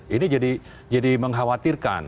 ini jadi mengkhawatirkan